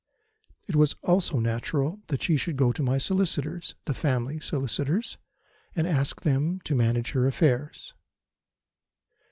It was also natural that she should go to my solicitors the family solicitors and ask them to manage her affairs.